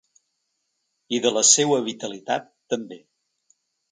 I de la seua vitalitat, també.